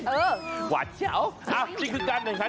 เออหวานเฉาอ่ะจริงคือการเห็นฉัน